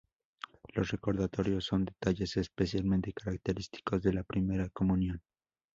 Los recordatorios son detalles especialmente característicos de la primera comunión.